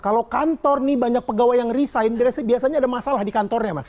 kalau kantor nih banyak pegawai yang resign biasanya ada masalah di kantornya mas